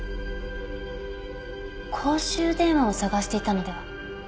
公衆電話を探していたのでは？